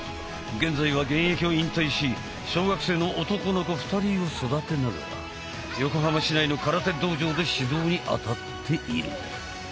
現在は現役を引退し小学生の男の子２人を育てながら横浜市内の空手道場で指導にあたっている。